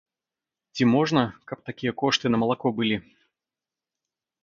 Ці можна, каб такія кошты на малако былі?